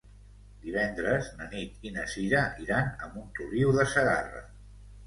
Divendres na Nit i na Cira iran a Montoliu de Segarra.